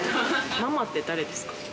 ママって誰ですか？